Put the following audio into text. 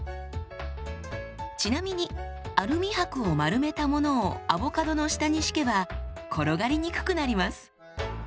ちなみにアルミ箔を丸めたものをアボカドの下に敷けば転がりにくくなります。